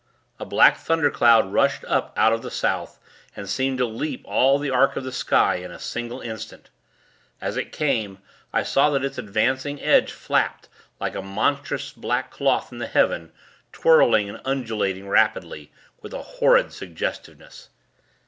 A black thundercloud rushed up out of the South, and seemed to leap all the arc of the sky, in a single instant. As it came, I saw that its advancing edge flapped, like a monstrous black cloth in the heaven, twirling and undulating rapidly, with a horrid suggestiveness.